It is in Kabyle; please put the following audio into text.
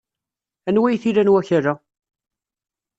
Anwa ay t-ilan wakal-a?